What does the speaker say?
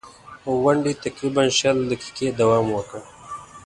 غونډې تقریباً شل دقیقې دوام وکړ.